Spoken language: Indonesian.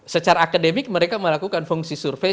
secara akademik mereka melakukan fungsi survei